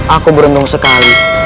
aku berundung sekali